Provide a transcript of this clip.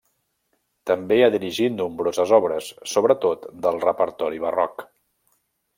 També ha dirigit nombroses obres, sobretot del repertori barroc.